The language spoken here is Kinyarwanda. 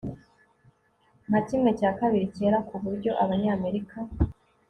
nka kimwe cya kabiri cyera, ku buryo abanyamerika